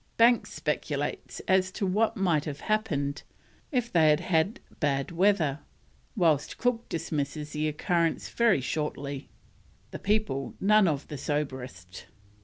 Banks speculates as to what might have happened if they had had bad weather, whilst Cook dismisses the occurrence very shortly: "The people none of the soberest."